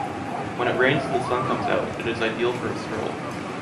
When it rains and the sun comes out, it is ideal for a stroll.